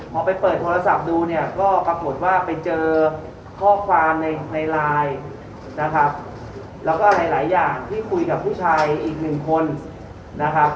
พอไปเปิดโทรศัพท์ดูเนี่ยก็ปรากฏว่าไปเจอข้อความในในไลน์นะครับแล้วก็หลายอย่างที่คุยกับผู้ชายอีกหนึ่งคนนะครับ